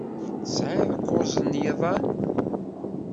Tesɛid kuẓ n yiḍan.